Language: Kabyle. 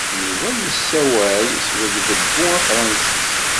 Yuba yessawal s weɣdebbu afṛensis.